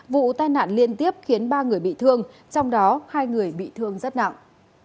vụ tai nạn liên tiếp khiến ba người bị thương trong đó hai người bị thương rất nặng